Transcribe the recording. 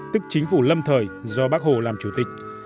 tức chính phủ lâm thời do bác hồ làm chủ tịch